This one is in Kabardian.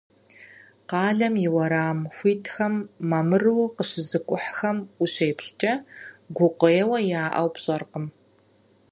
Къалэм и уэрам хуитхэм мамыру къыщызыкӏухьэм ущеплъкӏэ, гукъеуэ яӏэу пщӏэркъым.